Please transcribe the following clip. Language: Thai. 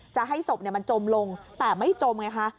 จะให้ศพมันจมลงแต่ไม่จมไงคะ